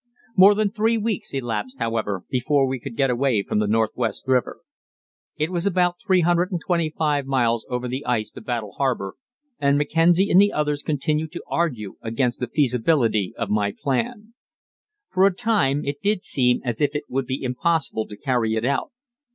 More than three weeks elapsed, however, before we could get away from the Northwest River. It was about 325 miles over the ice to Battle Harbour, and Mackenzie and the others continued to argue against the feasibility of my plan. For a time it did seem as if it would be impossible to carry it out.